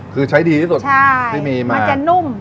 คือใช้ดีที่สุดที่มีมามันจะนุ่ม